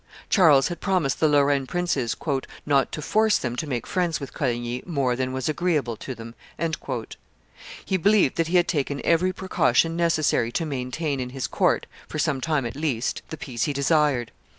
Charles had promised the Lorraine princes "not to force them to make friends with Coligny more than was agreeable to them." He believed that he had taken every precaution necessary to maintain in his court, for some time at least, the peace he desired.